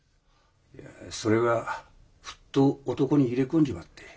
いやそれがフッと男に入れ込んじまって。